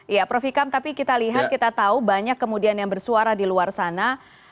ya prof ikam tapi kita lihat kita tahu banyak kemudian yang bersuara di luar sana